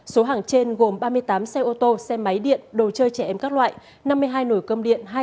số hàng trên gồm ba mươi tám xe ô tô xe máy điện đồ chơi trẻ em các loại năm mươi hai nồi cơm điện